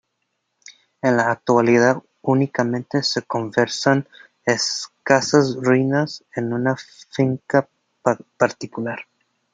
En la actualidad únicamente se conservan escasas ruinas en una finca particular.